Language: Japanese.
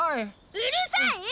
うるさい！